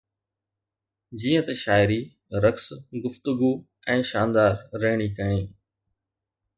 جيئن ته شاعري، رقص، گفتگو ۽ شاندار رهڻي ڪهڻي